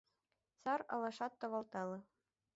Сар алашат тавалтале —